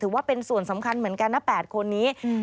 ว่าเป็นส่วนสำคัญเหมือนกันนะ๘คนนี้